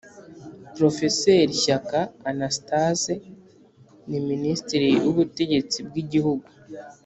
Profeseri shyaka anastase ni ministiri w’ ubutegetsibw’ igihugu